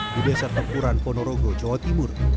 di desa tempuran ponorogo jawa timur